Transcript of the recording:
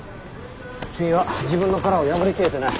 君は自分の殻を破り切れてない。